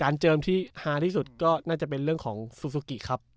การเจอที่หาที่สุดก็เนื้อก็เป็นเรื่องศูซูกิครับ